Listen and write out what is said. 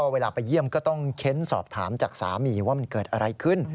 เวลาไปเยี่ยมก็ต้องเค้นสอบถามจากสามีว่ามันเกิดอะไรขึ้น